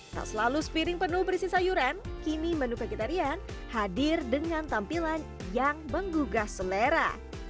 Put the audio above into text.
tak selalu sepiring penuh berisi sayuran kini menu vegetarian hadir dengan tampilan yang menggugah selera